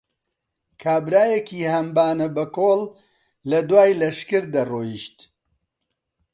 کابرایەکی هەنبانە بە کۆڵ لە دوای لەشکر دەڕۆیشت